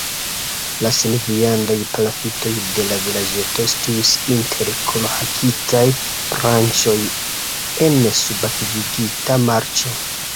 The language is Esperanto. La senviandaj palafitoj de la vilaĝeto situis inter forhakitaj branĉoj en subakvigita marĉo.